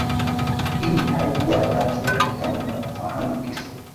ini haikuwa bahati yake kama unavyofahamu kifo